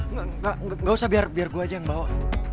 nggak nggak nggak nggak nggak usah biar biar gue aja yang bawa